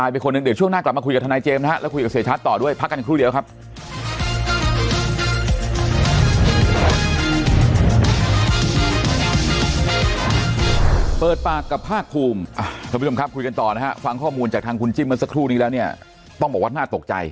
วันนี้ขอบคุณมากนะครับคุณจิ้มครับขอบคุณจริงฮะ